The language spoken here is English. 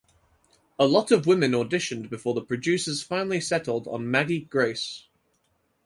A lot of women auditioned before the producers finally settled on Maggie Grace.